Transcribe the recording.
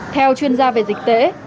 theo chuyên gia về dịch tễ